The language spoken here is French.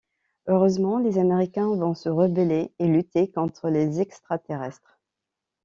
Heureusement, les Américains vont se rebeller et lutter contre les extra-terrestres.